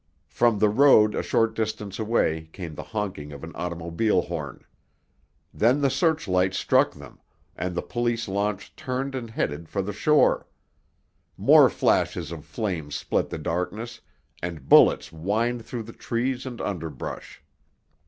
From the road a short distance away came the honking of an automobile horn. Then the searchlight struck them, and the police launch turned and headed for the shore. More flashes of flame split the darkness, and bullets whined through the trees and underbrush.